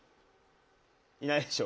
いないでしょ？